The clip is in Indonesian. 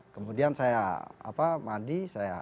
kemudian saya mandi